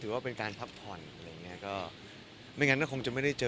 ว่าเป็นการพักผ่อนอะไรอย่างเงี้ยก็ไม่งั้นก็คงจะไม่ได้เจอ